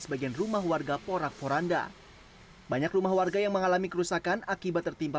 sebagian rumah warga porak poranda banyak rumah warga yang mengalami kerusakan akibat tertimpa